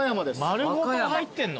丸ごと入ってんの？